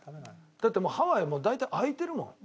だってもうハワイ大体開いてるもん。